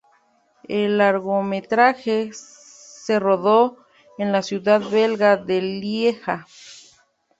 El largometraje se rodó en la ciudad belga de Lieja.